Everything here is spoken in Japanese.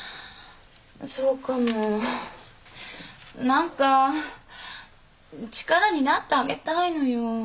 何か力になってあげたいのよ。